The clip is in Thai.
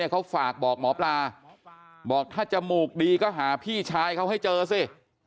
เขาฝากบอกหมอปลาบอกถ้าจมูกดีก็หาพี่ชายเขาให้เจอสิ